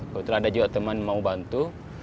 kebetulan ada juga teman mau bantu